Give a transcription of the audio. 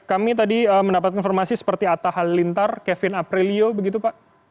kami tadi mendapatkan informasi seperti atta halilintar kevin aprilio begitu pak